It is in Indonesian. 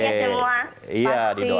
semoga kegiatan luas